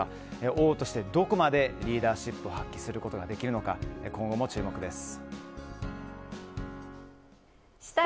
王として、どこまでリーダーシップを発揮することができるのか今後も注目です。